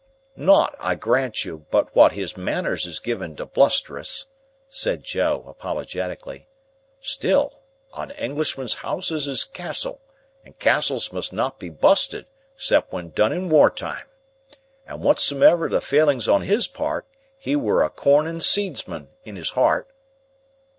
"Not, I grant you, but what his manners is given to blusterous," said Joe, apologetically; "still, a Englishman's ouse is his Castle, and castles must not be busted 'cept when done in war time. And wotsume'er the failings on his part, he were a corn and seedsman in his hart."